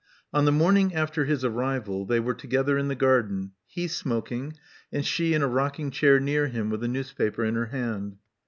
On the morning after his arrival, they were together in the garden, he smoking, and she in a rocking chair near him, with a newspaper in her hand.